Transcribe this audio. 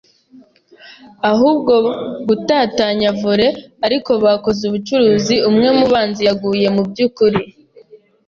ahubwo gutatanya volley, ariko bakoze ubucuruzi: umwe mubanzi yaguye mubyukuri,